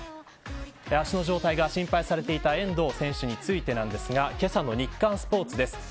足の状態が心配されていた遠藤選手についてですがけさの日刊スポーツです。